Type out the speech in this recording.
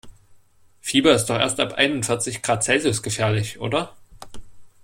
Fieber ist doch erst ab einundvierzig Grad Celsius gefährlich, oder?